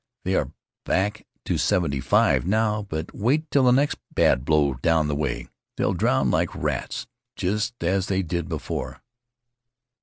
They are back to seventy five now, but wait till the next bad blow down that way. They'll drown like rats just as they did before.